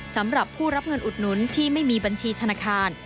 สำหรับผู้รับเงินอุดหนุนที่ไม่มีบัญชีธนาคาร